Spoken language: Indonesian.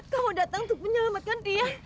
kamu datang untuk menyelamatkan ria